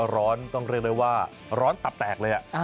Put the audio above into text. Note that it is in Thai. ร้อนต้องเรียกได้ว่าร้อนตับแตกเลย